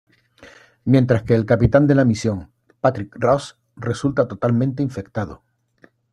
Mientras que el capitán de la misión, Patrick Ross, resulta totalmente infectado.